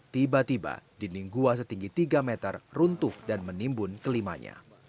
tiba tiba dinding gua setinggi tiga meter runtuh dan menimbun kelimanya